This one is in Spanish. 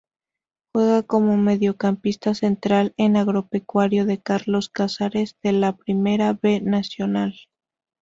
Juega como mediocampista central en Agropecuario de Carlos Casares de la Primera B Nacional.